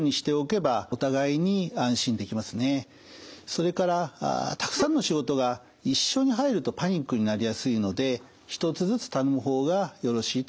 それからたくさんの仕事が一緒に入るとパニックになりやすいので１つずつ頼む方がよろしいと思います。